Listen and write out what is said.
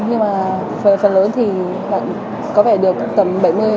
nhưng mà phần lớn thì có vẻ được tầm bảy mươi tám mươi